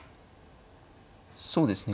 そうですね